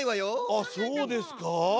あそうですか？